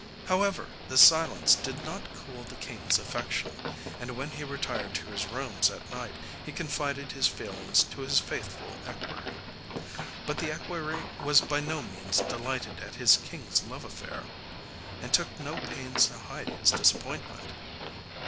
However, this silence did not cool the king's affection, and when he retired to his rooms at night he confided his feelings to his faithful equerry. But the equerry was by no means delighted at his king's love affair, and took no pains to hide his disappointment.